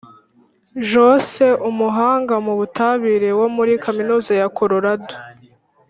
Jose umuhanga mu butabire wo muri kaminuza ya Colorado